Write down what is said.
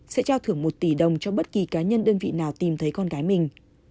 sẽ trao thưởng một tỷ đồng cho bất kỳ cá nhân đơn vị nào tìm thấy con gái mình